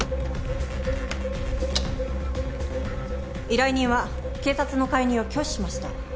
依頼人は警察の介入を拒否しました。